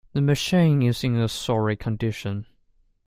The machine is in a sorry condition.